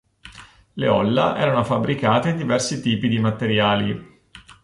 Le olla erano fabbricate in diversi tipi di materiali.